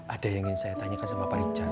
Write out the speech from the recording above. ada yang ingin saya tanyakan sama pak richard